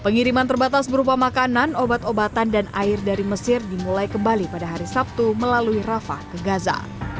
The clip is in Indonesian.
pengiriman terbatas berupa makanan obat obatan dan air dari mesir dimulai kembali pada hari sabtu melalui rafah ke gaza